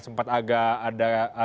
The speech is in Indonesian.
sempat agak ada temuan atau